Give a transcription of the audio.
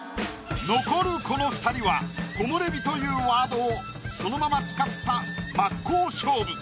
残るこの二人は「木漏れ日」というワードをそのまま使った真っ向勝負。